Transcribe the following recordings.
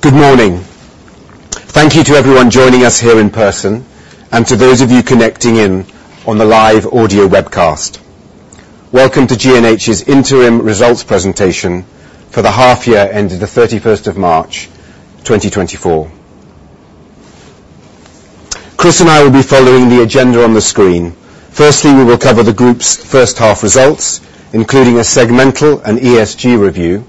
Good morning. Thank you to everyone joining us here in person and to those of you connecting in on the live audio webcast. Welcome to G&H's interim results presentation for the half year ended the March 31st, 2024. Chris and I will be following the agenda on the screen. Firstly, we will cover the group's first half results, including a segmental and ESG review,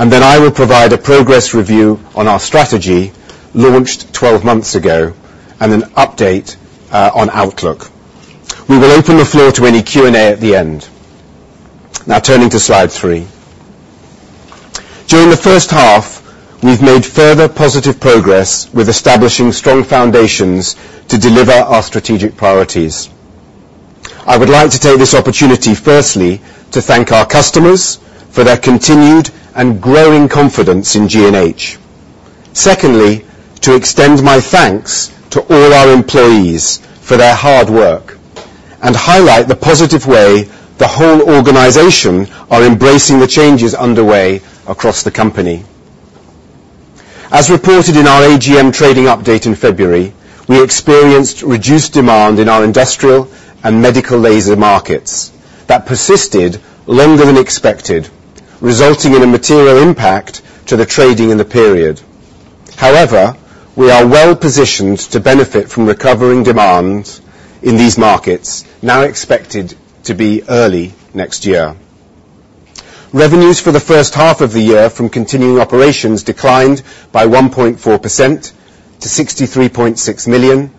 and then I will provide a progress review on our strategy launched 12 months ago, and an update on outlook. We will open the floor to any Q&A at the end. Now, turning to slide three. During the first half, we've made further positive progress with establishing strong foundations to deliver our strategic priorities. I would like to take this opportunity, firstly, to thank our customers for their continued and growing confidence in G&H. Secondly, to extend my thanks to all our employees for their hard work and highlight the positive way the whole organization are embracing the changes underway across the company. As reported in our AGM trading update in February, we experienced reduced demand in our industrial and medical laser markets that persisted longer than expected, resulting in a material impact to the trading in the period. However, we are well positioned to benefit from recovering demand in these markets now expected to be early next year. Revenues for the first half of the year from continuing operations declined by 1.4% to 63.6 million,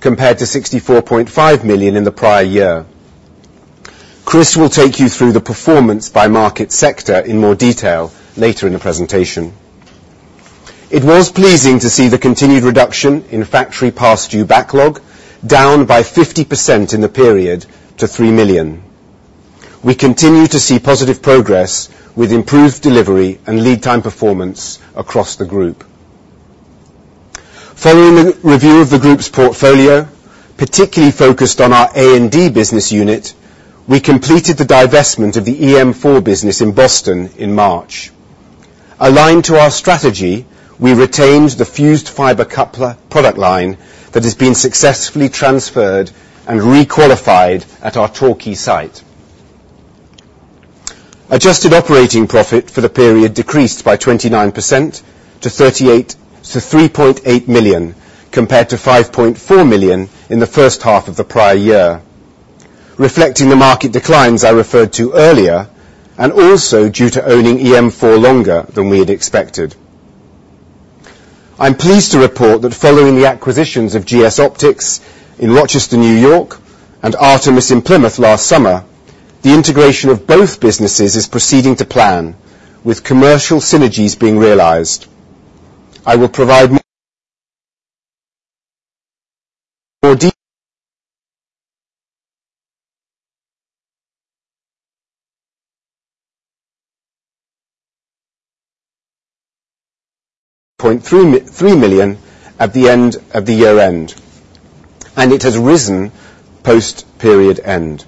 compared to 64.5 million in the prior year. Chris will take you through the performance by market sector in more detail later in the presentation. It was pleasing to see the continued reduction in factory past due backlog, down by 50% in the period to 3 million. We continue to see positive progress with improved delivery and lead time performance across the group. Following the review of the group's portfolio, particularly focused on our A&D business unit, we completed the divestment of the EM4 business in Boston in March. Aligned to our strategy, we retained the fused fiber coupler product line that has been successfully transferred and re-qualified at our Torquay site. Adjusted operating profit for the period decreased by 29% to 3.8 million, compared to 5.4 million in the first half of the prior year. Reflecting the market declines I referred to earlier, and also due to owning EM4 longer than we had expected. I'm pleased to report that following the acquisitions of GS Optics in Rochester, New York and Artemis in Plymouth last summer, the integration of both businesses is proceeding to plan with commercial synergies being realized. I will provide more. GBP 3 million at year-end, and it has risen post period-end.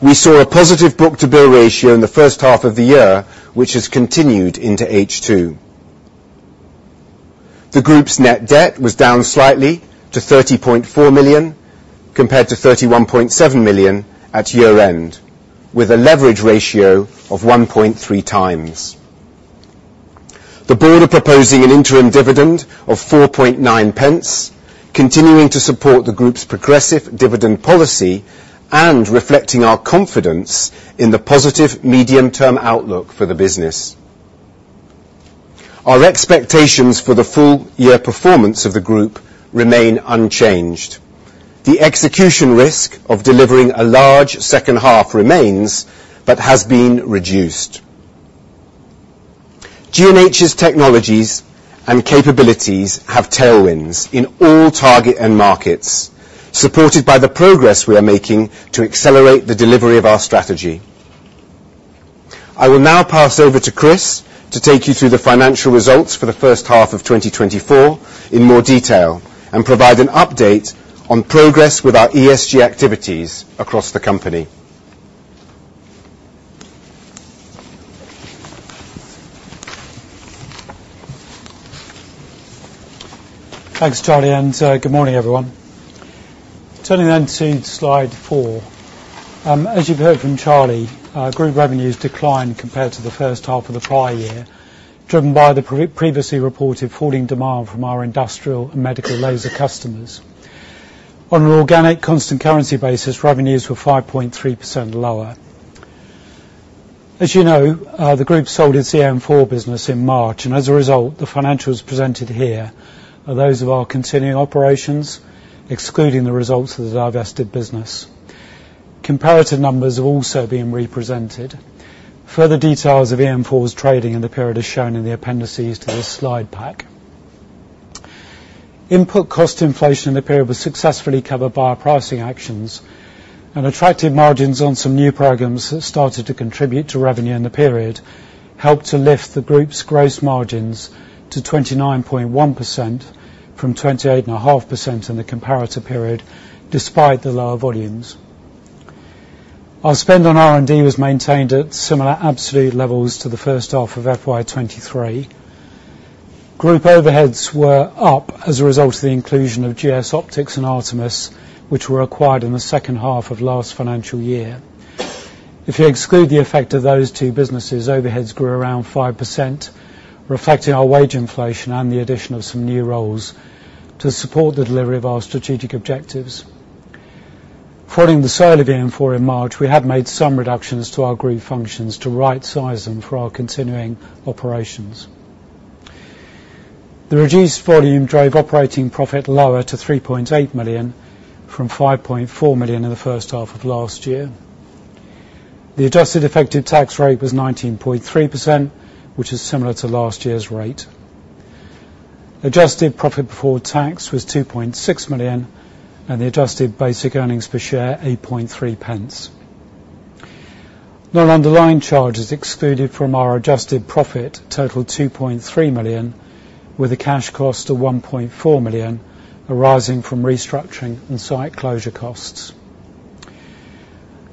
We saw a positive book-to-bill ratio in the first half of the year, which has continued into H2. The group's net debt was down slightly to 30.4 million, compared to 31.7 million at year-end, with a leverage ratio of 1.3x. The board are proposing an interim dividend of 0.049, continuing to support the group's progressive dividend policy and reflecting our confidence in the positive medium-term outlook for the business. Our expectations for the full-year performance of the group remain unchanged. The execution risk of delivering a large second half remains, but has been reduced. G&H's technologies and capabilities have tailwinds in all target end markets, supported by the progress we are making to accelerate the delivery of our strategy. I will now pass over to Chris to take you through the financial results for the first half of 2024 in more detail and provide an update on progress with our ESG activities across the company. Thanks, Charlie, and good morning, everyone. Turning then to slide four. As you've heard from Charlie, group revenues declined compared to the first half of the prior year, driven by the previously reported falling demand from our industrial and medical laser customers. On an organic constant currency basis, revenues were 5.3% lower. As you know, the group sold its EM4 business in March, and as a result, the financials presented here are those of our continuing operations, excluding the results of the divested business. Comparative numbers have also been represented. Further details of EM4's trading in the period is shown in the appendices to this slide pack. Input cost inflation in the period was successfully covered by our pricing actions, and attractive margins on some new programs have started to contribute to revenue in the period, helped to lift the group's gross margins to 29.1% from 28.5% in the comparative period, despite the lower volumes. Our spend on R&D was maintained at similar absolute levels to the first half of FY 2023. Group overheads were up as a result of the inclusion of GS Optics and Artemis, which were acquired in the second half of last financial year. If you exclude the effect of those two businesses, overheads grew around 5%, reflecting our wage inflation and the addition of some new roles to support the delivery of our strategic objectives. Following the sale of EM4 in March, we have made some reductions to our group functions to right-size them for our continuing operations. The reduced volume drove operating profit lower to 3.8 million from 5.4 million in the first half of last year. The adjusted effective tax rate was 19.3%, which is similar to last year's rate. Adjusted profit before tax was 2.6 million, and the adjusted basic earnings per share, 0.083. Non-underlying charges excluded from our adjusted profit totaled 2.3 million, with a cash cost of 1.4 million arising from restructuring and site closure costs.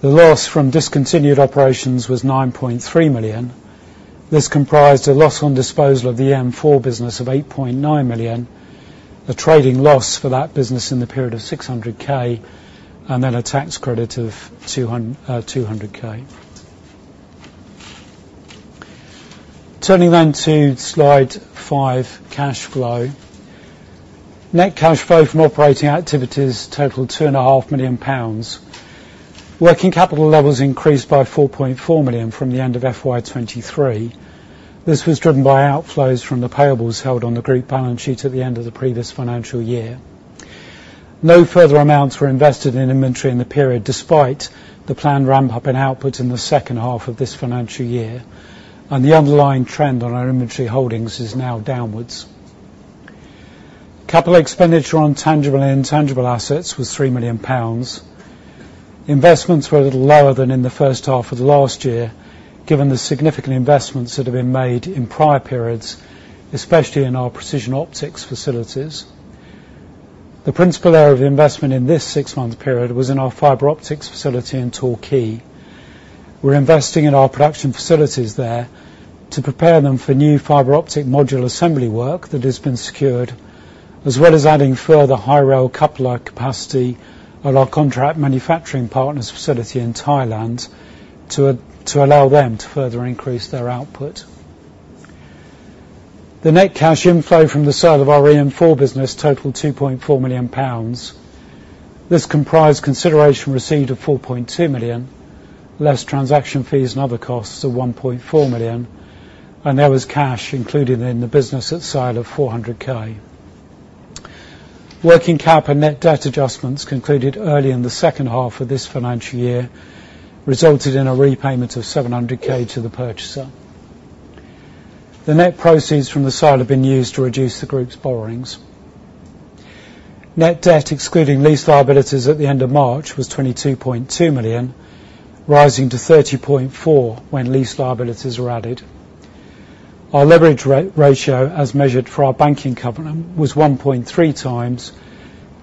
The loss from discontinued operations was 9.3 million. This comprised a loss on disposal of the EM4 business of 8.9 million, a trading loss for that business in the period of 600,000, and a tax credit of 200,000. Turning to slide five, cash flow. Net cash flow from operating activities totaled 2.5 million pounds. Working capital levels increased by 4.4 million from the end of FY 2023. This was driven by outflows from the payables held on the group balance sheet at the end of the previous financial year. No further amounts were invested in inventory in the period, despite the planned ramp-up in output in the second half of this financial year, and the underlying trend on our inventory holdings is now downwards. Capital expenditure on tangible and intangible assets was 3 million pounds. Investments were a little lower than in the first half of the last year, given the significant investments that have been made in prior periods, especially in our precision optics facilities. The principal area of investment in this six-month period was in our fiber optics facility in Torquay. We're investing in our production facilities there to prepare them for new fiber optic module assembly work that has been secured, as well as adding further high-reliability coupler capacity at our contract manufacturing partner's facility in Thailand to allow them to further increase their output. The net cash inflow from the sale of our EM4 business totaled 2.4 million pounds. This comprised consideration received of 4.2 million, less transaction fees and other costs of 1.4 million, and there was cash included in the business at sale of 400,000. Working capital net debt adjustments concluded early in the second half of this financial year resulted in a repayment of 700,000 to the purchaser. The net proceeds from the sale have been used to reduce the group's borrowings. Net debt excluding lease liabilities at the end of March was 22.2 million, rising to 30.4 million when lease liabilities were added. Our leverage ratio, as measured for our banking covenant, was 1.3x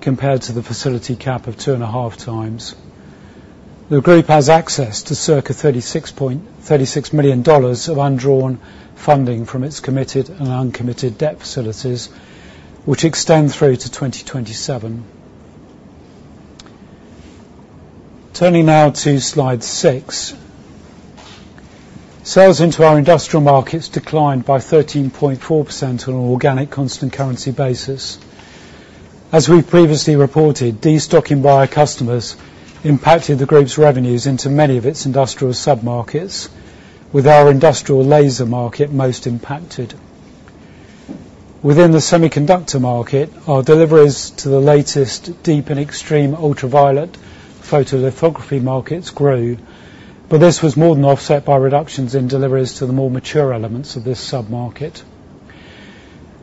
compared to the facility cap of 2.5x. The group has access to circa $36 million of undrawn funding from its committed and uncommitted debt facilities, which extend through to 2027. Turning now to slide six. Sales into our industrial markets declined by 13.4% on an organic constant currency basis. As we previously reported, destocking by our customers impacted the group's revenues into many of its industrial sub-markets, with our industrial laser market most impacted. Within the semiconductor market, our deliveries to the latest deep and extreme ultraviolet photolithography markets grew, but this was more than offset by reductions in deliveries to the more mature elements of this sub-market.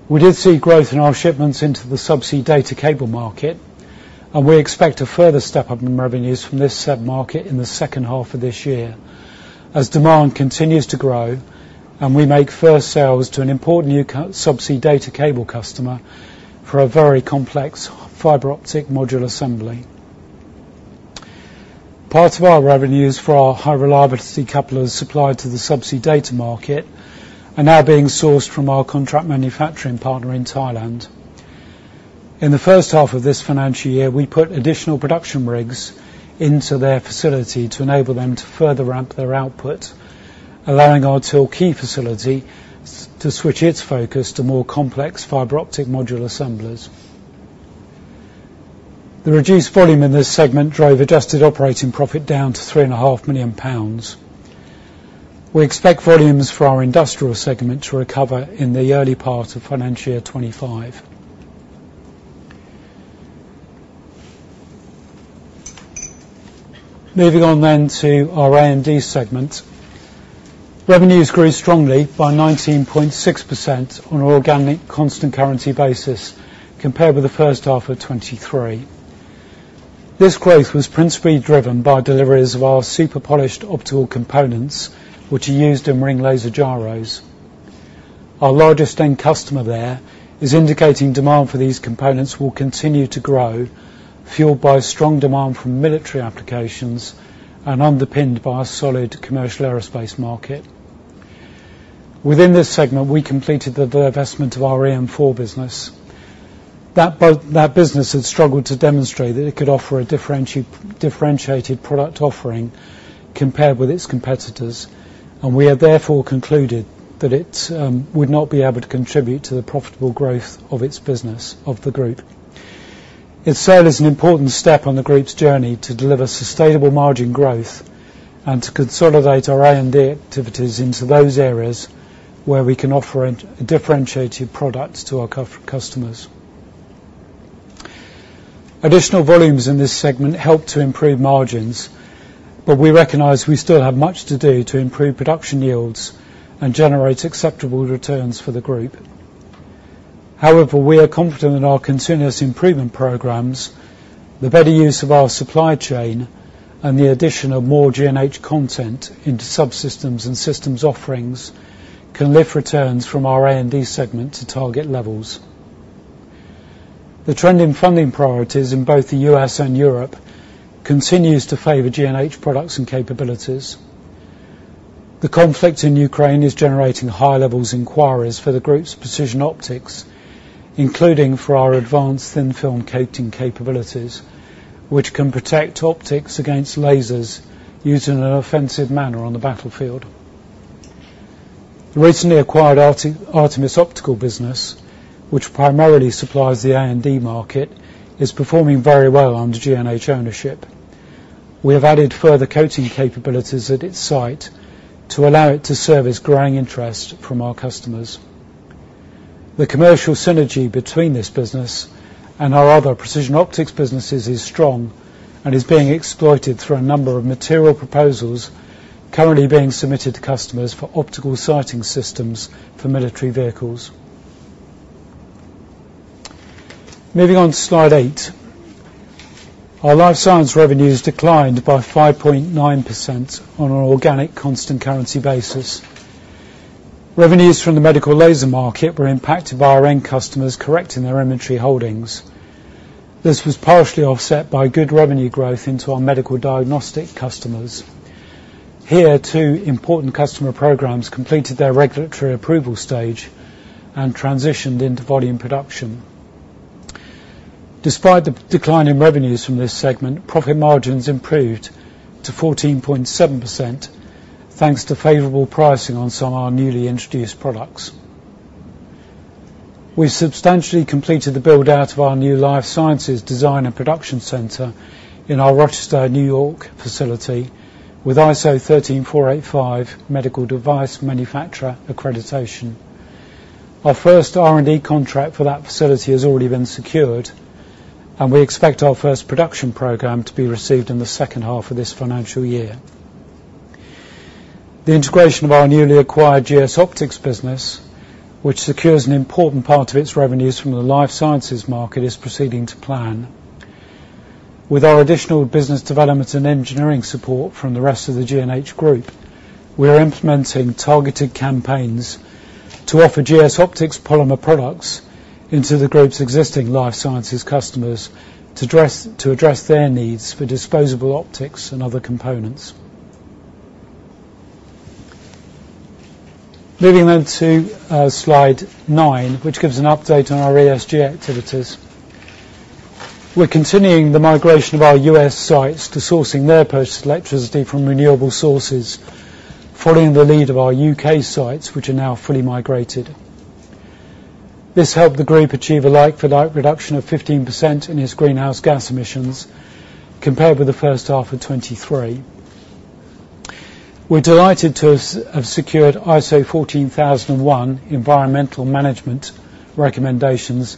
We did see growth in our shipments into the subsea data cable market, and we expect a further step-up in revenues from this sub-market in the second half of this year as demand continues to grow and we make first sales to an important new subsea data cable customer for a very complex fiber optic module assembly. Part of our revenues for our high-reliability couplers supplied to the subsea data market are now being sourced from our contract manufacturing partner in Thailand. In the first half of this financial year, we put additional production rigs into their facility to enable them to further ramp their output, allowing our Torquay facility to switch its focus to more complex fiber optic module assemblies. The reduced volume in this segment drove adjusted operating profit down to 3.5 million pounds. We expect volumes for our industrial segment to recover in the early part of financial year 2025. Moving on to our R&D segment. Revenues grew strongly by 19.6% on an organic constant currency basis compared with the first half of 2023. This growth was principally driven by deliveries of our superpolished optical components, which are used in ring laser gyros. Our largest end customer there is indicating demand for these components will continue to grow, fueled by strong demand from military applications and underpinned by a solid commercial aerospace market. Within this segment, we completed the divestment of our EM4 business. That business had struggled to demonstrate that it could offer a differentiated product offering compared with its competitors, and we have therefore concluded that it would not be able to contribute to the profitable growth of its business of the group. Its sale is an important step on the group's journey to deliver sustainable margin growth and to consolidate our R&D activities into those areas where we can offer a differentiated products to our customers. Additional volumes in this segment help to improve margins, but we recognize we still have much to do to improve production yields and generate acceptable returns for the group. However, we are confident in our continuous improvement programs, the better use of our supply chain, and the addition of more G&H content into subsystems and systems offerings can lift returns from our R&D segment to target levels. The trend in funding priorities in both the U.S. and Europe continues to favor G&H products and capabilities. The conflict in Ukraine is generating high-level inquiries for the group's precision optics, including for our advanced thin film coating capabilities, which can protect optics against lasers used in an offensive manner on the battlefield. The recently acquired Artemis Optical business, which primarily supplies the R&D market, is performing very well under G&H ownership. We have added further coating capabilities at its site to allow it to serve the growing interest from our customers. The commercial synergy between this business and our other precision optics businesses is strong and is being exploited through a number of material proposals currently being submitted to customers for optical sighting systems for military vehicles. Moving on to slide eight. Our life science revenues declined by 5.9% on an organic constant currency basis. Revenues from the medical laser market were impacted by our end customers correcting their inventory holdings. This was partially offset by good revenue growth into our medical diagnostic customers. Here, two important customer programs completed their regulatory approval stage and transitioned into volume production. Despite the decline in revenues from this segment, profit margins improved to 14.7% thanks to favorable pricing on some of our newly introduced products. We substantially completed the build-out of our new life sciences design and production center in our Rochester, New York facility with ISO 13485 medical device manufacturer accreditation. Our first R&D contract for that facility has already been secured, and we expect our first production program to be received in the second half of this financial year. The integration of our newly acquired GS Optics business, which secures an important part of its revenues from the life sciences market, is proceeding to plan. With our additional business development and engineering support from the rest of the G&H group, we are implementing targeted campaigns to offer GS Optics polymer products into the group's existing life sciences customers to address their needs for disposable optics and other components. Moving on to slide nine, which gives an update on our ESG activities. We're continuing the migration of our U.S. sites to sourcing their purchased electricity from renewable sources, following the lead of our U.K. sites, which are now fully migrated. This helped the group achieve a like-for-like reduction of 15% in its greenhouse gas emissions compared with the first half of 2023. We're delighted to have secured ISO 14001 environmental management accreditation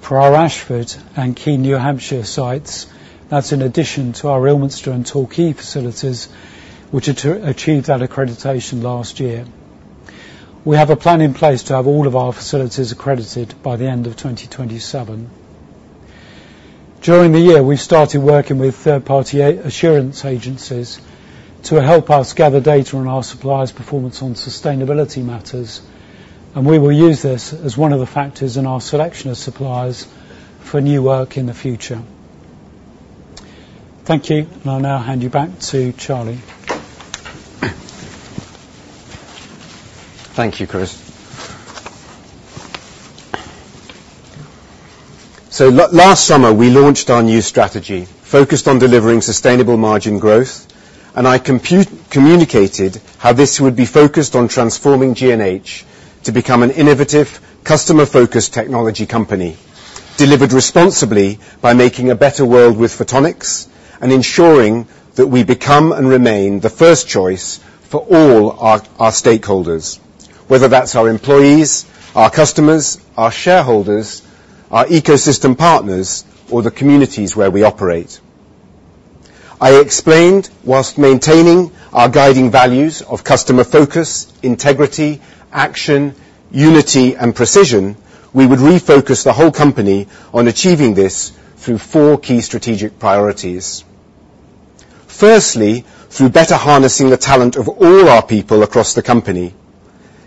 for our Ashford and Keene, New Hampshire sites. That's in addition to our Ilminster and Torquay facilities, which have achieved that accreditation last year. We have a plan in place to have all of our facilities accredited by the end of 2027. During the year, we started working with third-party assurance agencies to help us gather data on our suppliers' performance on sustainability matters, and we will use this as one of the factors in our selection of suppliers for new work in the future. Thank you. I'll now hand you back to Charlie. Thank you, Chris. Last summer, we launched our new strategy focused on delivering sustainable margin growth, and I communicated how this would be focused on transforming G&H to become an innovative, customer-focused technology company, delivered responsibly by making a better world with photonics and ensuring that we become and remain the first choice for all our stakeholders, whether that's our employees, our customers, our shareholders, our ecosystem partners, or the communities where we operate. I explained while maintaining our guiding values of customer focus, integrity, action, unity, and precision, we would refocus the whole company on achieving this through four key strategic priorities. Firstly, through better harnessing the talent of all our people across the company,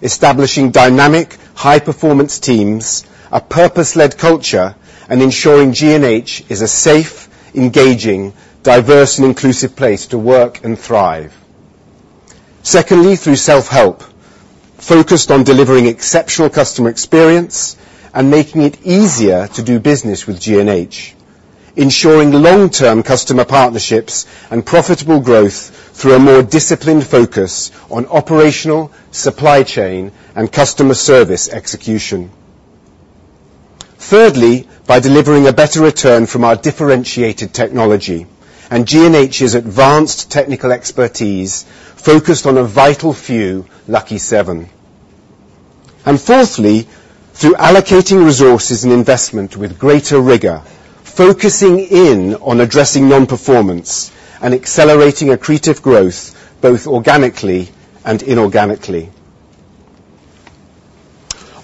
establishing dynamic high-performance teams, a purpose-led culture, and ensuring G&H is a safe, engaging, diverse, and inclusive place to work and thrive. Secondly, through self-help, focused on delivering exceptional customer experience and making it easier to do business with G&H. Ensuring long-term customer partnerships and profitable growth through a more disciplined focus on operational, supply chain, and customer service execution. Thirdly, by delivering a better return from our differentiated technology, and G&H's advanced technical expertise focused on a vital few, lucky seven. Fourthly, through allocating resources and investment with greater rigor, focusing in on addressing non-performance and accelerating accretive growth, both organically and inorganically.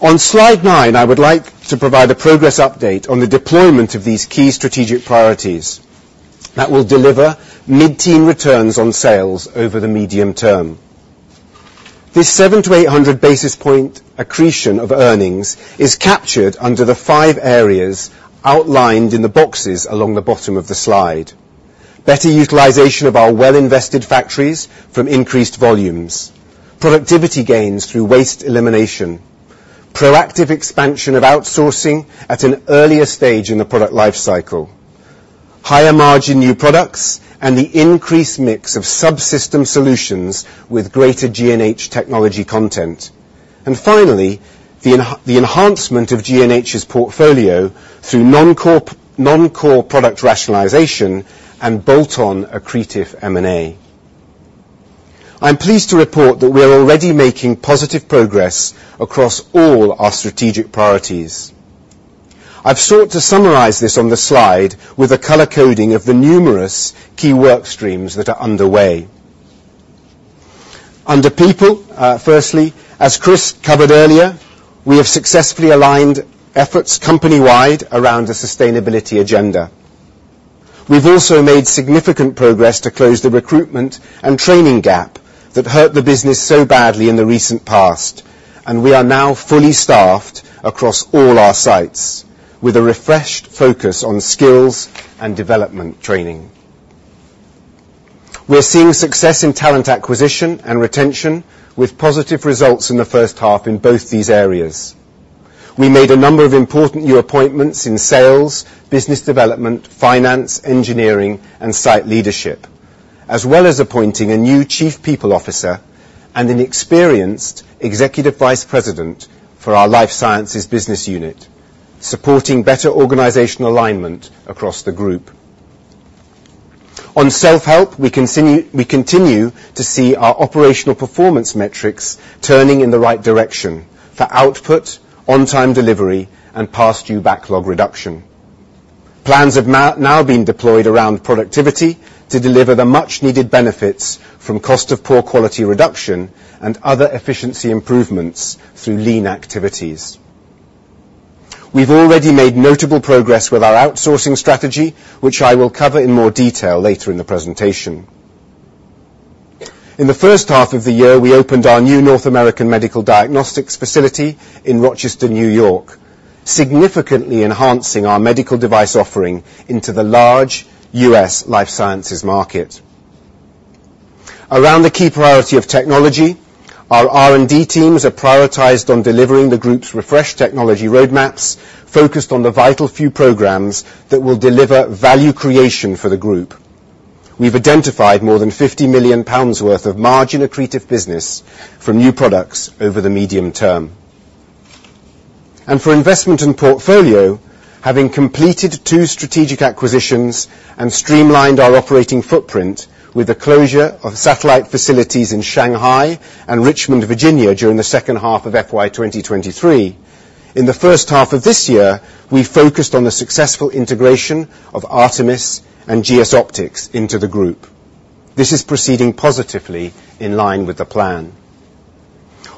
On slide nine, I would like to provide a progress update on the deployment of these key strategic priorities that will deliver mid-teen returns on sales over the medium term. This 700-800 basis point accretion of earnings is captured under the five areas outlined in the boxes along the bottom of the slide. Better utilization of our well-invested factories from increased volumes. Productivity gains through waste elimination. Proactive expansion of outsourcing at an earlier stage in the product life cycle. Higher margin new products and the increased mix of subsystem solutions with greater G&H technology content. Finally, the enhancement of G&H's portfolio through non-core product rationalization and bolt-on accretive M&A. I'm pleased to report that we are already making positive progress across all our strategic priorities. I've sought to summarize this on the slide with a color-coding of the numerous key work streams that are underway. Under people, firstly, as Chris covered earlier, we have successfully aligned efforts company-wide around the sustainability agenda. We've also made significant progress to close the recruitment and training gap that hurt the business so badly in the recent past, and we are now fully staffed across all our sites with a refreshed focus on skills and development training. We're seeing success in talent acquisition and retention with positive results in the first half in both these areas. We made a number of important new appointments in sales, business development, finance, engineering, and site leadership, as well as appointing a new chief people officer and an experienced executive vice president for our life sciences business unit, supporting better organizational alignment across the group. On self-help, we continue to see our operational performance metrics turning in the right direction for output, on time delivery, and past due backlog reduction. Plans have now been deployed around productivity to deliver the much-needed benefits from cost of poor quality reduction and other efficiency improvements through lean activities. We've already made notable progress with our outsourcing strategy, which I will cover in more detail later in the presentation. In the first half of the year, we opened our new North American medical diagnostics facility in Rochester, New York, significantly enhancing our medical device offering into the large U.S. life sciences market. Around the key priority of technology, our R&D teams are prioritized on delivering the group's refreshed technology roadmaps focused on the vital few programs that will deliver value creation for the group. We've identified more than 50 million pounds worth of margin-accretive business from new products over the medium term. For investment in portfolio, having completed two strategic acquisitions and streamlined our operating footprint with the closure of satellite facilities in Shanghai and Richmond, Virginia during the second half of FY 2023, in the first half of this year, we focused on the successful integration of Artemis and GS Optics into the group. This is proceeding positively in line with the plan.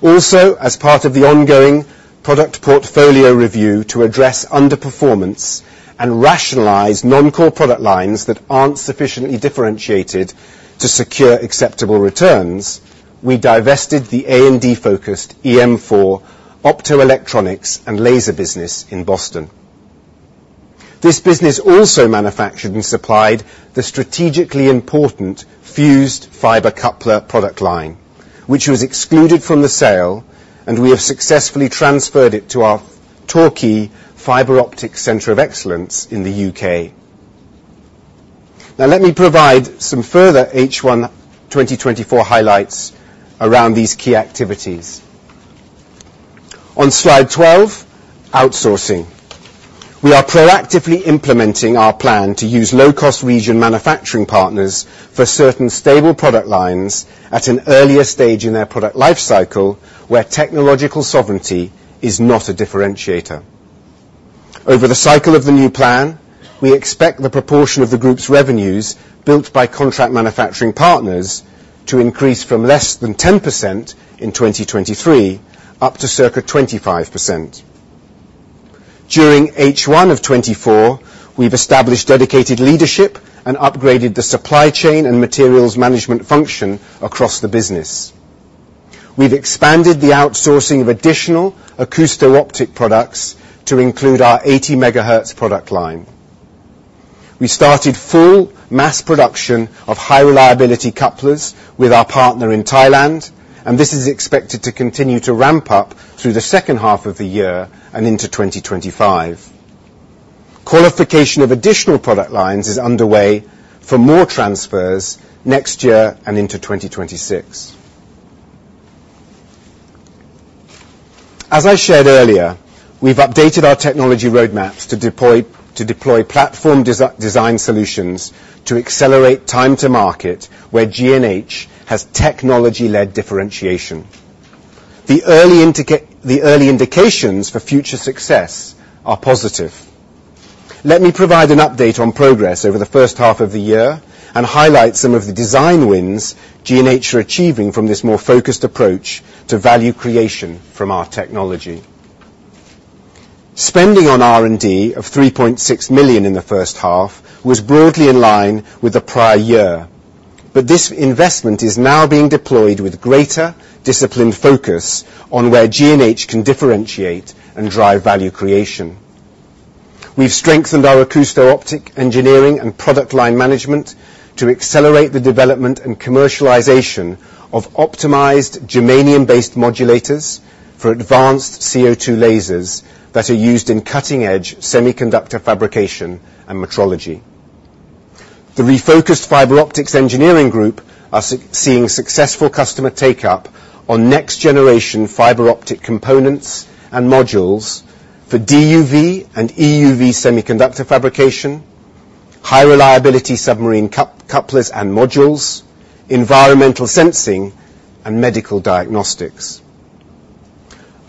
Also, as part of the ongoing product portfolio review to address underperformance and rationalize non-core product lines that aren't sufficiently differentiated to secure acceptable returns, we divested the A&D-focused EM4 optoelectronics and laser business in Boston. This business also manufactured and supplied the strategically important fused fiber coupler product line, which was excluded from the sale and we have successfully transferred it to our Torquay Fiber Optic Center of Excellence in the U.K. Now, let me provide some further H1 2024 highlights around these key activities. On slide 12, outsourcing. We are proactively implementing our plan to use low-cost region manufacturing partners for certain stable product lines at an earlier stage in their product life cycle, where technological sovereignty is not a differentiator. Over the cycle of the new plan, we expect the proportion of the group's revenues built by contract manufacturing partners to increase from less than 10% in 2023 up to circa 25%. During H1 of 2024, we've established dedicated leadership and upgraded the supply chain and materials management function across the business. We've expanded the outsourcing of additional acousto-optic products to include our 80 MHz product line. We started full mass production of high-reliability couplers with our partner in Thailand, and this is expected to continue to ramp up through the second half of the year and into 2025. Qualification of additional product lines is underway for more transfers next year and into 2026. As I shared earlier, we've updated our technology roadmaps to deploy platform design solutions to accelerate time to market, where G&H has technology-led differentiation. The early indications for future success are positive. Let me provide an update on progress over the first half of the year and highlight some of the design wins G&H are achieving from this more focused approach to value creation from our technology. Spending on R&D of 3.6 million in the first half was broadly in line with the prior year. This investment is now being deployed with greater disciplined focus on where G&H can differentiate and drive value creation. We've strengthened our acousto-optic engineering and product line management to accelerate the development and commercialization of optimized germanium-based modulators for advanced CO₂ lasers that are used in cutting-edge semiconductor fabrication and metrology. The refocused fiber optics engineering group are seeing successful customer take-up on next generation fiber optic components and modules for DUV and EUV semiconductor fabrication, high-reliability submarine couplers and modules, environmental sensing, and medical diagnostics.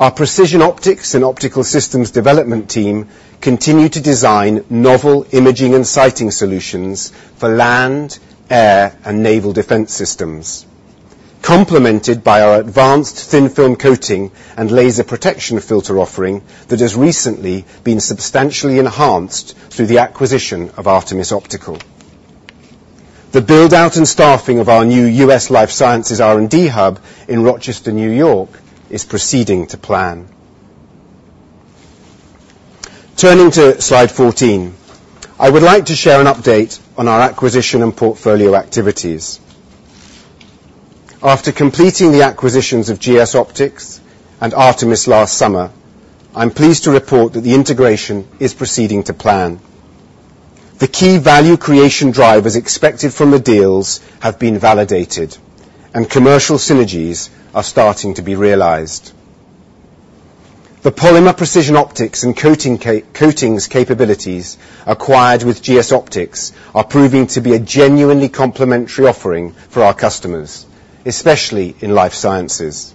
Our precision optics and optical systems development team continue to design novel imaging and sighting solutions for land, air, and naval defense systems, complemented by our advanced thin film coating and laser protection filter offering that has recently been substantially enhanced through the acquisition of Artemis Optical. The build-out and staffing of our new US life sciences R&D hub in Rochester, New York, is proceeding to plan. Turning to slide 14, I would like to share an update on our acquisition and portfolio activities. After completing the acquisitions of GS Optics and Artemis last summer, I'm pleased to report that the integration is proceeding to plan. The key value creation drivers expected from the deals have been validated, and commercial synergies are starting to be realized. The polymer precision optics and coatings capabilities acquired with GS Optics are proving to be a genuinely complementary offering for our customers, especially in life sciences.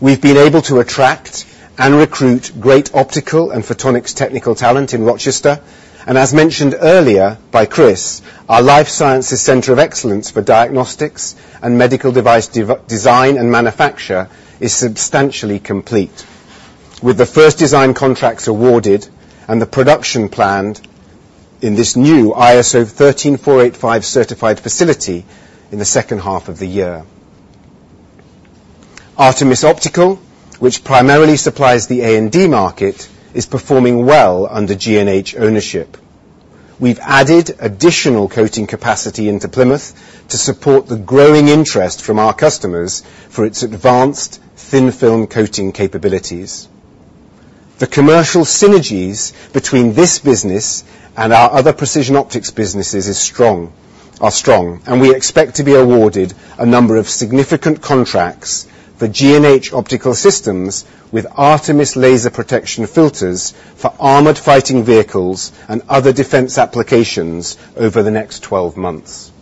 We've been able to attract and recruit great optical and photonics technical talent in Rochester, and as mentioned earlier by Chris, our life sciences center of excellence for diagnostics and medical device design and manufacture is substantially complete, with the first design contracts awarded and the production planned in this new ISO 13485 certified facility in the second half of the year. Artemis Optical, which primarily supplies the A&D market, is performing well under G&H ownership. We've added additional coating capacity into Plymouth to support the growing interest from our customers for its advanced thin film coating capabilities. The commercial synergies between this business and our other precision optics businesses are strong, and we expect to be awarded a number of significant contracts for G&H optical systems with Artemis laser protection filters for armored fighting vehicles and other defense applications over the next 12 months.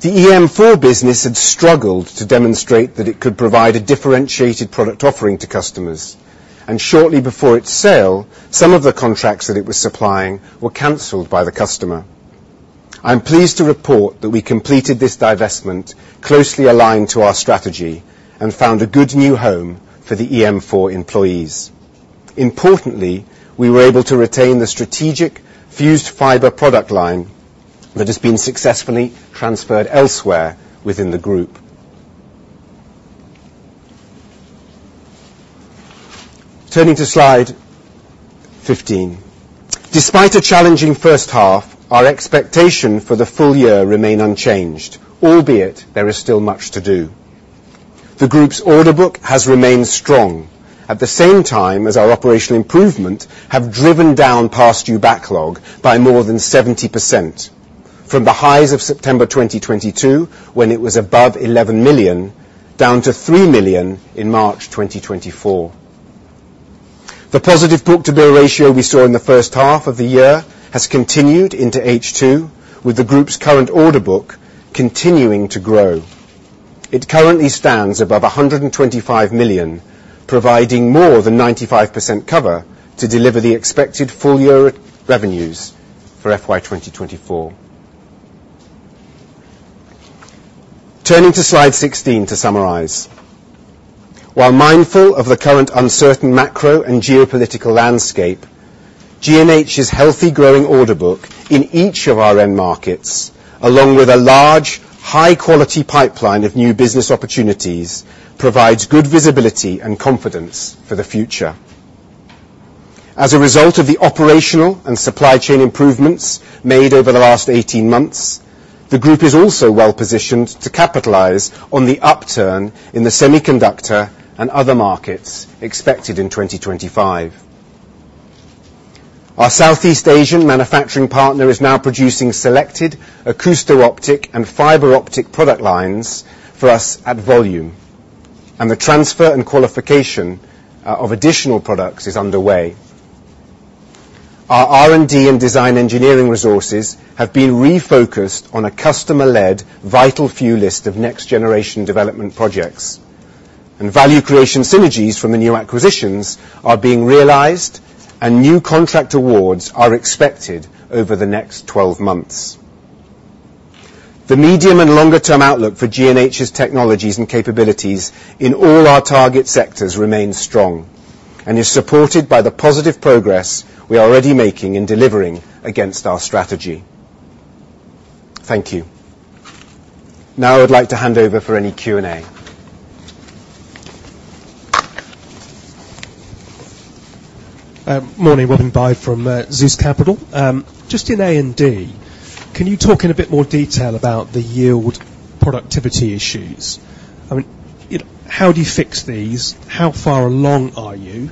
The EM4 business had struggled to demonstrate that it could provide a differentiated product offering to customers, and shortly before its sale, some of the contracts that it was supplying were canceled by the customer. I'm pleased to report that we completed this divestment closely aligned to our strategy and found a good new home for the EM4 employees. Importantly, we were able to retain the strategic fused fiber product line that has been successfully transferred elsewhere within the group. Turning to slide 15. Despite a challenging first half, our expectation for the full year remain unchanged, albeit there is still much to do. The group's order book has remained strong, at the same time as our operational improvement have driven down past due backlog by more than 70% from the highs of September 2022, when it was above 11 million, down to 3 million in March 2024. The positive book-to-bill ratio we saw in the first half of the year has continued into H2, with the group's current order book continuing to grow. It currently stands above 125 million, providing more than 95% cover to deliver the expected full year revenues for FY 2024. Turning to slide 16 to summarize. While mindful of the current uncertain macro and geopolitical landscape, G&H's healthy growing order book in each of our end markets, along with a large, high-quality pipeline of new business opportunities, provides good visibility and confidence for the future. As a result of the operational and supply chain improvements made over the last 18 months, the group is also well positioned to capitalize on the upturn in the semiconductor and other markets expected in 2025. Our Southeast Asian manufacturing partner is now producing selected acousto-optic and fiber optic product lines for us at volume, and the transfer and qualification of additional products is underway. Our R&D and design engineering resources have been refocused on a customer-led vital few list of next-generation development projects. Value creation synergies from the new acquisitions are being realized, and new contract awards are expected over the next 12 months. The medium and longer term outlook for G&H's technologies and capabilities in all our target sectors remain strong, and is supported by the positive progress we are already making in delivering against our strategy. Thank you. Now I'd like to hand over for any Q&A. Morning. Robin Byde from Zeus Capital. Just in A&D, can you talk in a bit more detail about the yield productivity issues? I mean, you know, how do you fix these? How far along are you?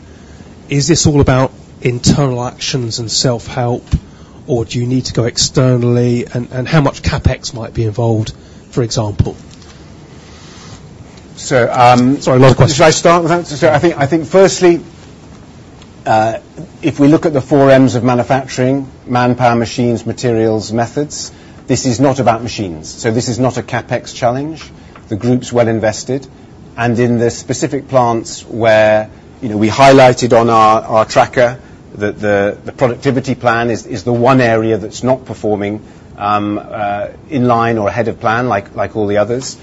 Is this all about internal actions and self-help, or do you need to go externally? And how much CapEx might be involved, for example? So, um- Sorry, a lot of questions. Should I start with that? I think firstly, if we look at the four M's of manufacturing, manpower, machines, materials, methods, this is not about machines. This is not a CapEx challenge. The group's well invested. In the specific plants where, you know, we highlighted on our tracker, the productivity plan is the one area that's not performing in line or ahead of plan, like all the others.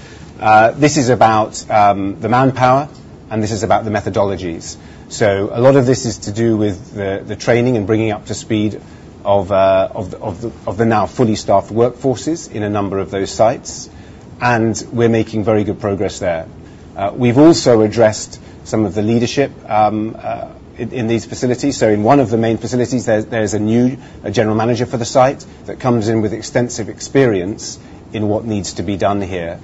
This is about the manpower, and this is about the methodologies. A lot of this is to do with the training and bringing up to speed of the now fully staffed workforces in a number of those sites, and we're making very good progress there. We've also addressed some of the leadership in these facilities. In one of the main facilities, there's a new general manager for the site that comes in with extensive experience in what needs to be done here.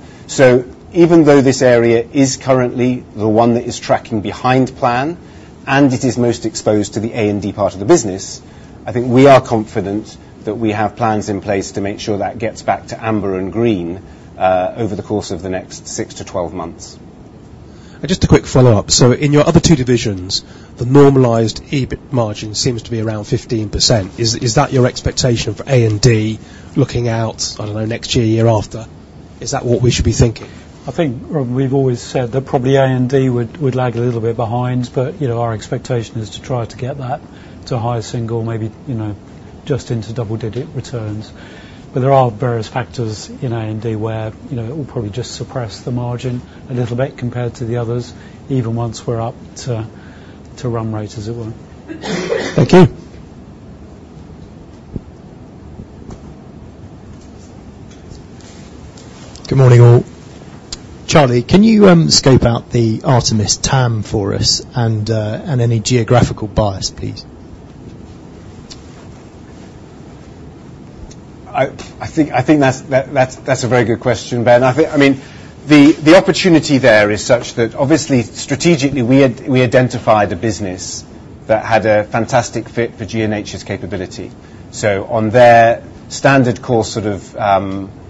Even though this area is currently the one that is tracking behind plan, and it is most exposed to the A&D part of the business, I think we are confident that we have plans in place to make sure that gets back to amber and green over the course of the next six to 12 months. Just a quick follow-up. In your other two divisions, the normalized EBIT margin seems to be around 15%. Is that your expectation for A&D looking out, I don't know, next year after? Is that what we should be thinking? I think, Robin, we've always said that probably A&D would lag a little bit behind, but, you know, our expectation is to try to get that to higher single maybe, you know, just into double-digit returns. There are various factors in A&D where, you know, it will probably just suppress the margin a little bit compared to the others, even once we're up to run rate, as it were. Thank you. Good morning, all. Charlie, can you scope out the Artemis TAM for us and any geographical bias, please? I think that's a very good question, Ben. I think, I mean, the opportunity there is such that obviously, strategically, we identified a business that had a fantastic fit for G&H's capability. On their standard core sort of,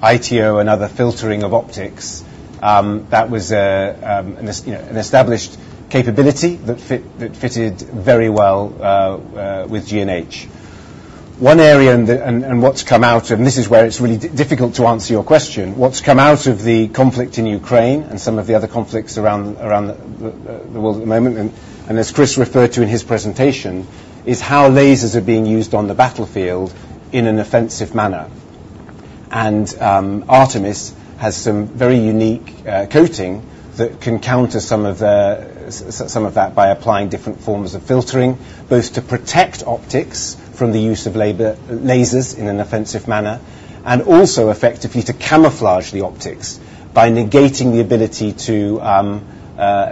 ITO and other filtering of optics, that was a you know, an established capability that fitted very well with G&H. One area and what's come out, and this is where it's really difficult to answer your question. What's come out of the conflict in Ukraine and some of the other conflicts around the world at the moment, and as Chris referred to in his presentation, is how lasers are being used on the battlefield in an offensive manner. Artemis has some very unique coating that can counter some of that by applying different forms of filtering, both to protect optics from the use of laser lasers in an offensive manner, and also effectively to camouflage the optics by negating the ability to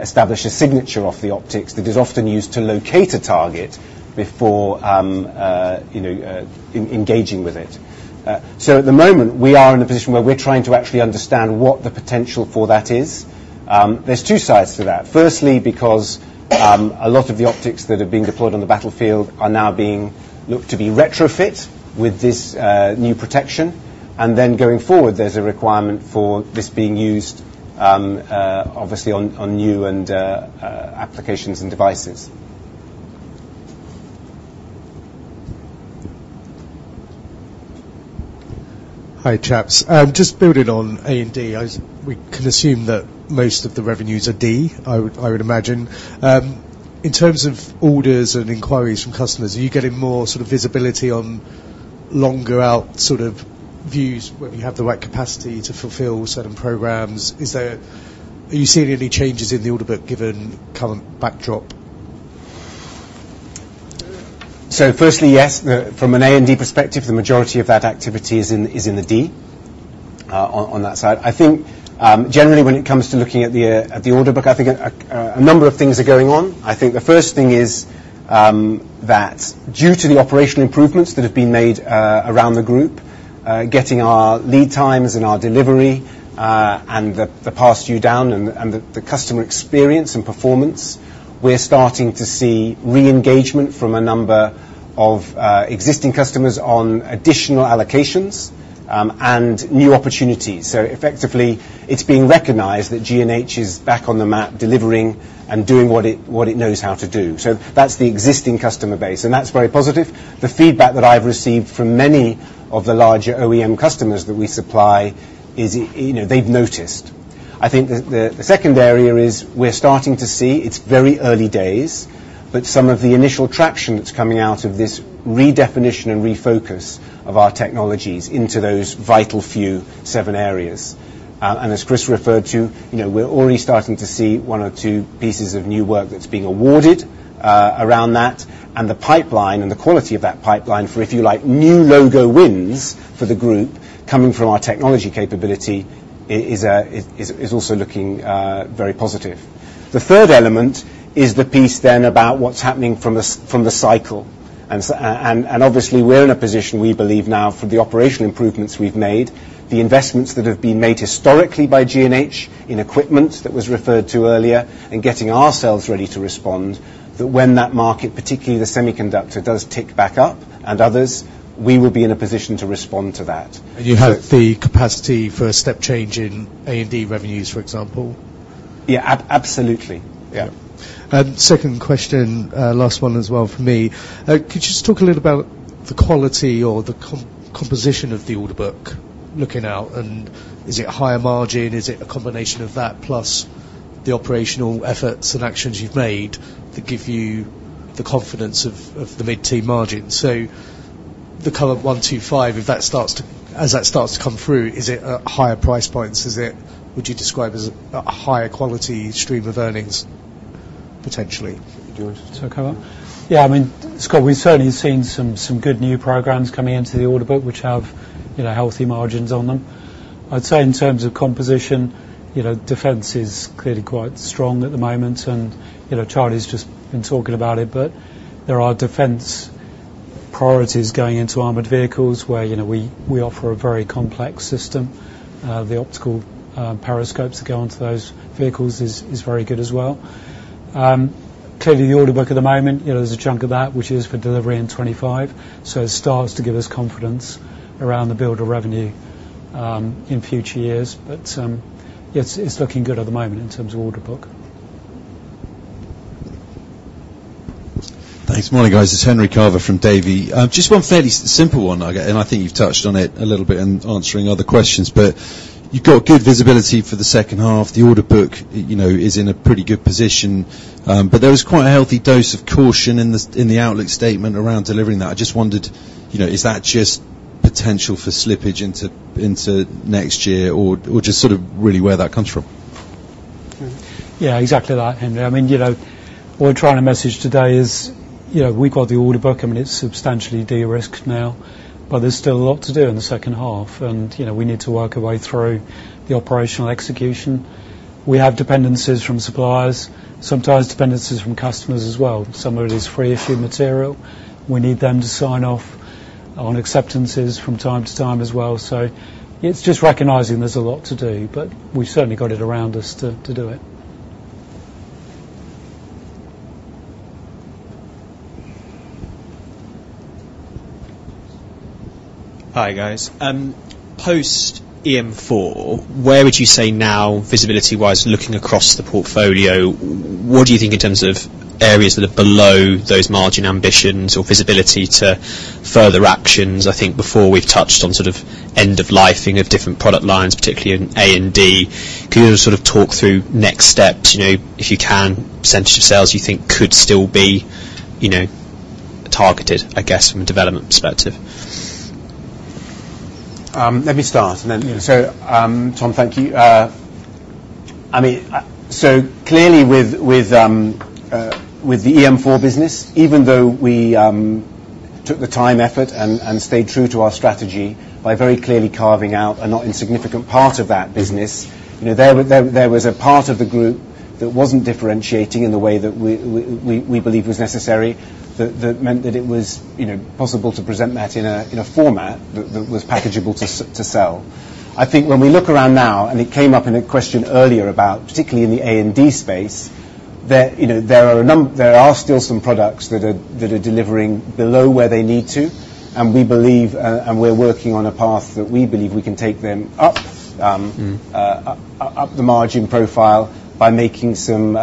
establish a signature of the optics that is often used to locate a target before you know engaging with it. At the moment, we are in a position where we're trying to actually understand what the potential for that is. There's two sides to that. Firstly, because a lot of the optics that have been deployed on the battlefield are now being looked to be retrofit with this new protection. Going forward, there's a requirement for this being used, obviously on new and applications and devices. Hi, chaps. Just building on A&D, we can assume that most of the revenues are D, I would imagine. In terms of orders and inquiries from customers, are you getting more sort of visibility on longer out sort of views when we have the right capacity to fulfill certain programs. Are you seeing any changes in the order book given current backdrop? First, yes, from an A&D perspective, the majority of that activity is in the D, on that side. I think, generally when it comes to looking at the order book, I think a number of things are going on. I think the first thing is that due to the operational improvements that have been made around the group, getting our lead times and our delivery, and the pass-through and the customer experience and performance, we're starting to see re-engagement from a number of existing customers on additional allocations, and new opportunities. Effectively, it's being recognized that G&H is back on the map delivering and doing what it knows how to do. That's the existing customer base, and that's very positive. The feedback that I've received from many of the larger OEM customers that we supply is, you know, they've noticed. I think the second area is we're starting to see, it's very early days, but some of the initial traction that's coming out of this redefinition and refocus of our technologies into those vital few seven areas. And as Chris referred to, you know, we're already starting to see one or two pieces of new work that's being awarded, around that, and the pipeline and the quality of that pipeline for, if you like, new logo wins for the group coming from our technology capability is also looking very positive. The third element is the piece then about what's happening from the cycle. Obviously, we're in a position we believe now for the operational improvements we've made, the investments that have been made historically by G&H in equipment that was referred to earlier, and getting ourselves ready to respond, that when that market, particularly the semiconductor, does tick back up and others, we will be in a position to respond to that. You have the capacity for a step change in A&D revenues, for example? Yeah. Absolutely. Yeah. Second question, last one as well from me. Could you just talk a little about the quality or the composition of the order book looking out? Is it higher margin? Is it a combination of that plus the operational efforts and actions you've made that give you the confidence of the mid-teen margin? The current 125 million, if that starts to come through, is it at higher price points? Would you describe as a higher quality stream of earnings potentially? Do you want to take that one? Yeah. I mean, Scott, we've certainly seen some good new programs coming into the order book, which have, you know, healthy margins on them. I'd say in terms of composition, you know, defense is clearly quite strong at the moment and, you know, Charlie's just been talking about it, but there are defense priorities going into armored vehicles where, you know, we offer a very complex system. The optical periscopes that go onto those vehicles is very good as well. Clearly the order book at the moment, you know, there's a chunk of that which is for delivery in 2025, so it starts to give us confidence around the build of revenue in future years. It's looking good at the moment in terms of order book. Thanks. Morning, guys. It's Henry Carver from Davy. Just one fairly simple one, and I think you've touched on it a little bit in answering other questions, but you've got good visibility for the second half. The order book, you know, is in a pretty good position. But there was quite a healthy dose of caution in the outlook statement around delivering that. I just wondered, you know, is that just potential for slippage into next year or just sort of really where that comes from? Yeah, exactly that, Henry. I mean, you know, what we're trying to message today is, you know, we've got the order book. I mean, it's substantially de-risked now, but there's still a lot to do in the second half. You know, we need to work our way through the operational execution. We have dependencies from suppliers, sometimes dependencies from customers as well. Some of it is free issue material. We need them to sign off on acceptances from time to time as well. It's just recognizing there's a lot to do, but we've certainly got it around us to do it. Hi, guys. Post EM4, where would you say now, visibility-wise, looking across the portfolio, what do you think in terms of areas that are below those margin ambitions or visibility to further actions? I think before we've touched on sort of end of life-ing of different product lines, particularly in A&D. Can you just sort of talk through next steps, you know, if you can, percentage of sales you think could still be, you know, targeted, I guess, from a development perspective? Let me start and then Tom, thank you. I mean, so clearly with the EM4 business, even though we took the time, effort, and stayed true to our strategy by very clearly carving out a not insignificant part of that business, you know, there was a part of the group that wasn't differentiating in the way that we believe was necessary. That meant that it was, you know, possible to present that in a format that was packageable to sell. I think when we look around now, and it came up in a question earlier about particularly in the A&D space, there, you know, there are still some products that are delivering below where they need to, and we believe and we're working on a path that we believe we can take them up the margin profile by making some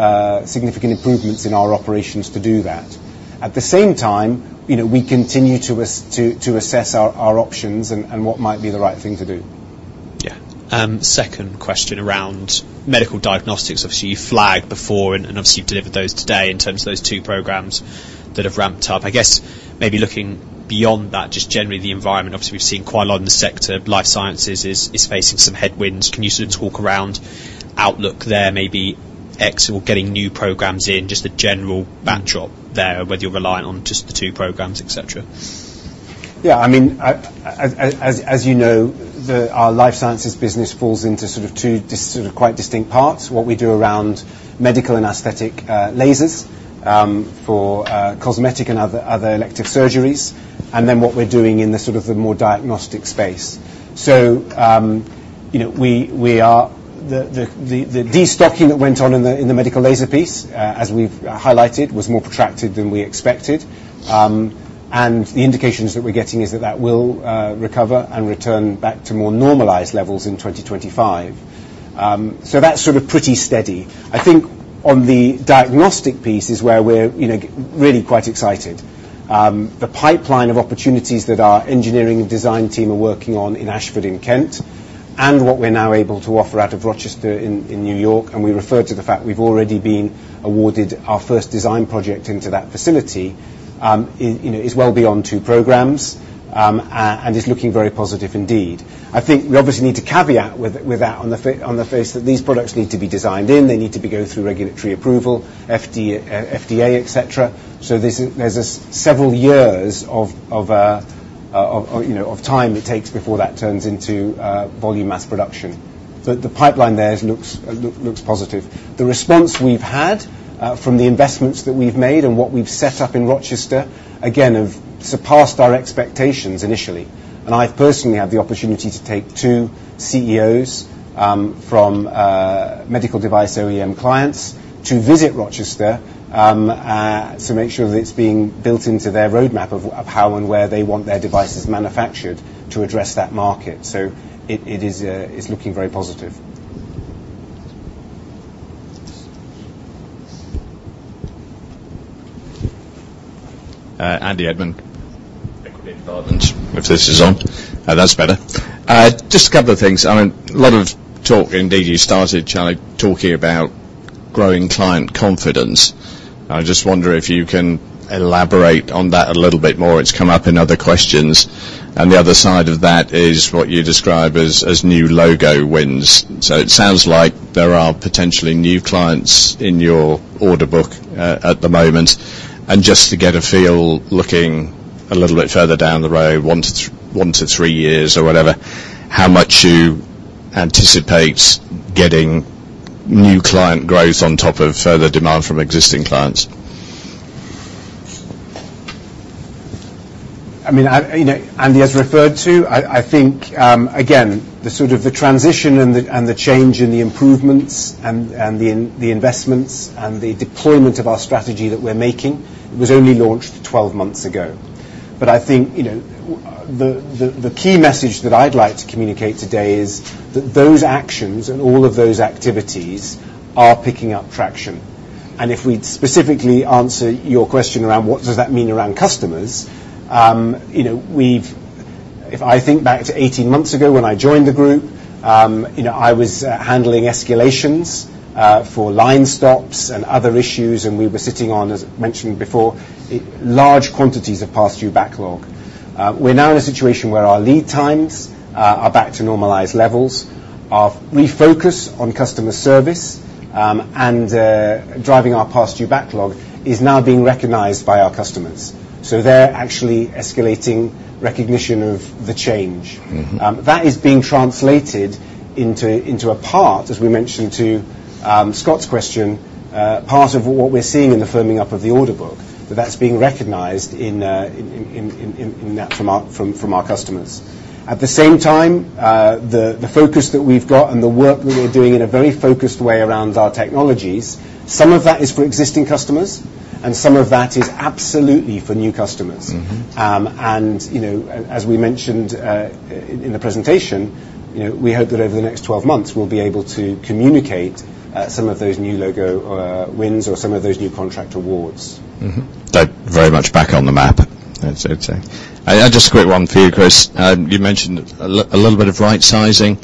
significant improvements in our operations to do that. At the same time, you know, we continue to assess our options and what might be the right thing to do. Second question around medical diagnostics. Obviously, you flagged before, and obviously you've delivered those today in terms of those two programs that have ramped up. I guess maybe looking beyond that, just generally the environment, obviously, we've seen quite a lot in the sector. Life sciences is facing some headwinds. Can you sort of talk around outlook there, maybe ex getting new programs in, just the general backdrop there, whether you're reliant on just the two programs, et cetera. Yeah, I mean, as you know, our life sciences business falls into sort of two quite distinct parts. What we do around medical and aesthetic lasers for cosmetic and other elective surgeries, and then what we're doing in the sort of the more diagnostic space. The destocking that went on in the medical laser piece, as we've highlighted, was more protracted than we expected. The indications that we're getting is that that will recover and return back to more normalized levels in 2025. That's sort of pretty steady. I think on the diagnostic piece is where we're, you know, really quite excited. The pipeline of opportunities that our engineering and design team are working on in Ashford in Kent, and what we're now able to offer out of Rochester in New York, and we refer to the fact we've already been awarded our first design project into that facility, you know, is well beyond two programs, and is looking very positive indeed. I think we obviously need to caveat with that on the face that these products need to be designed in, they need to be going through regulatory approval, FDA, et cetera. So there's this several years of time it takes before that turns into volume mass production. The pipeline there looks positive. The response we've had from the investments that we've made and what we've set up in Rochester, again, have surpassed our expectations initially. I've personally had the opportunity to take two CEOs from medical device OEM clients to visit Rochester to make sure that it's being built into their roadmap of how and where they want their devices manufactured to address that market. It is looking very positive. Andy Edmond, Equity Development. If this is on. That's better. Just a couple of things. I mean, a lot of talk indeed, you started Charlie talking about growing client confidence. I just wonder if you can elaborate on that a little bit more. It's come up in other questions. The other side of that is what you describe as new logo wins. So it sounds like there are potentially new clients in your order book at the moment. Just to get a feel, looking a little bit further down the road, one to three years or whatever, how much you anticipate getting new client growth on top of further demand from existing clients. I mean, you know, Andy has referred to. I think, again, the sort of transition and the change and the improvements and the investments and the deployment of our strategy that we're making was only launched 12 months ago. I think, you know, the key message that I'd like to communicate today is that those actions and all of those activities are picking up traction. If we'd specifically answer your question around what does that mean around customers, you know, if I think back to 18 months ago when I joined the group, you know, I was handling escalations for line stops and other issues, and we were sitting on, as mentioned before, large quantities of past due backlog. We're now in a situation where our lead times are back to normalized levels, our refocus on customer service, and driving our past due backlog is now being recognized by our customers. They're actually escalating recognition of the change. Mm-hmm. That is being translated into a part, as we mentioned to Scott's question, part of what we're seeing in the firming up of the order book. That is being recognized in that from our customers. At the same time, the focus that we've got and the work that we're doing in a very focused way around our technologies, some of that is for existing customers, and some of that is absolutely for new customers. Mm-hmm. You know, as we mentioned in the presentation, you know, we hope that over the next 12 months, we'll be able to communicate some of those new logo wins or some of those new contract awards. They're very much back on the map, I'd say. Just a quick one for you, Chris. You mentioned a little bit of right sizing.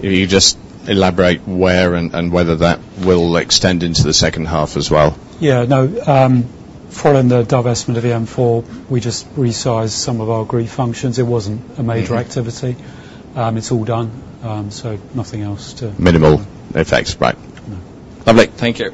You just elaborate where and whether that will extend into the second half as well? Yeah. No. Following the divestment of EM4, we just resized some of our group functions. It wasn't a major activity. It's all done. Nothing else to Minimal effects. Right. Yeah. Lovely. Thank you.